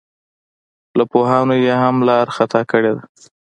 له پوهانو یې هم لار خطا کړې ده.